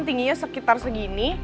tingginya sekitar segini